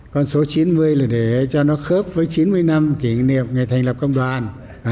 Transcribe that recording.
con số chín mươi là để cho nó khớp với chín mươi năm kỷ niệm ngày thành lập công đoàn